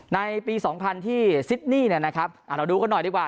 ในปี๒๐๐ที่ซิดนี่นะครับเราดูกันหน่อยดีกว่า